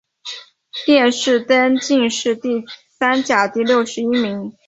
殿试登进士第三甲第六十一名。